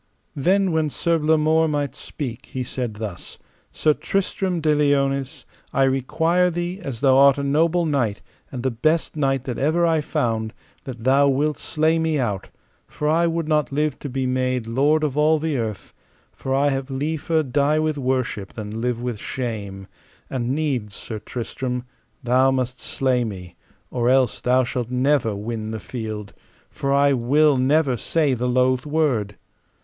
Then when Sir Blamore might speak, he said thus: Sir Tristram de Liones, I require thee, as thou art a noble knight, and the best knight that ever I found, that thou wilt slay me out, for I would not live to be made lord of all the earth, for I have liefer die with worship than live with shame; and needs, Sir Tristram, thou must slay me, or else thou shalt never win the field, for I will never say the loath word.